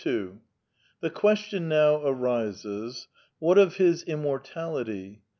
u The question now arises: What of his immortality?